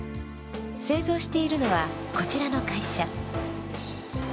製造しているのは、こちらの会社。